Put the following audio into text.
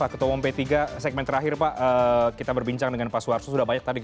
kami akan segera kembali